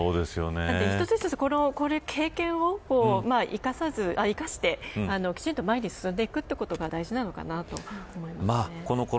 だって、一つ一つ経験を生かしてきちんと前に進んでいくということが大事なのかなと思います。